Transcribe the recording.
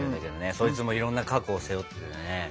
そいつもいろんな過去を背負っててね。